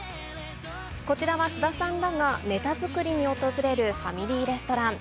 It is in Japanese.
こちらは菅田さんらがネタ作りに訪れるファミリーレストラン。